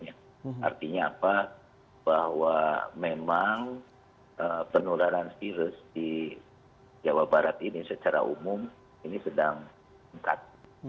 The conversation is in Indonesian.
artinya apa bahwa memang penularan virus di jawa barat ini secara umum ini sedang lengkap